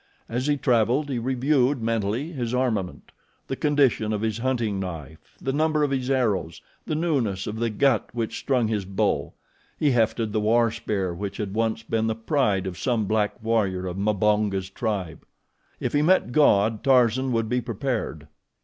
As he traveled he reviewed, mentally, his armament the condition of his hunting knife, the number of his arrows, the newness of the gut which strung his bow he hefted the war spear which had once been the pride of some black warrior of Mbonga's tribe. If he met God, Tarzan would be prepared.